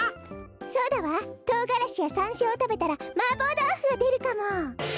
そうだわとうがらしやさんしょうをたべたらマーボーどうふがでるかも。